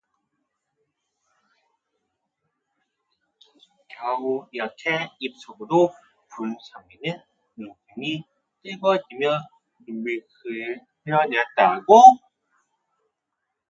겨우 이렇게 입 속으로 부른 선비는 눈등이 뜨거워지며 눈물이 주르르 흘러내렸다.